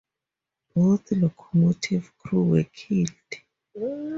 Both locomotive crew were killed.